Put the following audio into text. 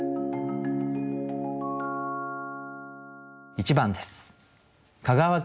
１番です。